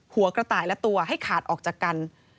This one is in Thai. หัวกระต่ายและตัวให้ขาดออกจากกัน